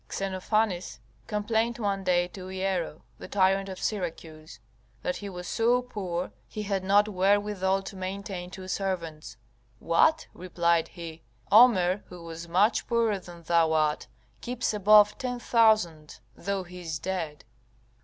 Xenophanes complained one day to Hiero, the tyrant of Syracuse, that he was so poor he had not wherewithal to maintain two servants. "What!" replied he, "Homer, who was much poorer than thou art, keeps above ten thousand, though he is dead."